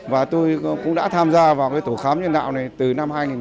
và tôi cũng đã tham gia vào tổ khám nhân đạo này từ năm hai nghìn một mươi